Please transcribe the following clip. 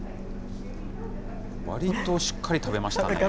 わりとしっかり食べましたね。